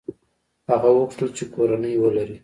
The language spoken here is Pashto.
هغه وغوښتل چې کورنۍ ولري.